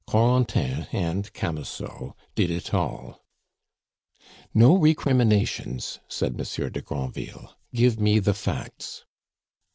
Corentin and Camusot did it all " "No recriminations," said Monsieur de Granville; "give me the facts."